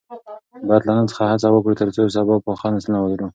باید له نن څخه هڅه وکړو ترڅو سبا پاخه نسلونه ولرو.